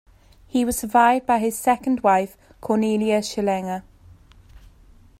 He was survived by his second wife, Cornelia Schellinger.